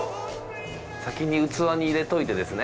先に器に入れといてですね。